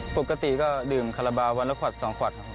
ปกติก็ดื่มแคราบาลวันเดือนไขวร์ดสองไขวร์ด